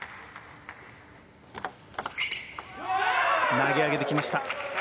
投げ上げてきました。